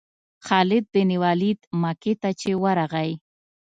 خالد بن ولید مکې ته چې ورغی.